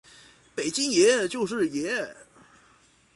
北京爷，就是爷！